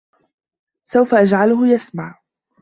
سوف أجعله يسمع.